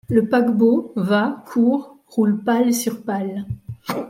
Le paquebot va, court, roule pale sur pale ;